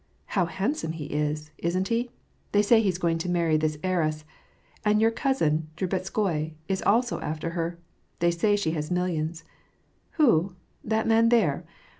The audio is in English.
^' How handsome he is ! isn't he ? They say he's going to marry this heiress ; and your cousin, Drubetskoi, is also after her : they say she has millions. — Who ? that man there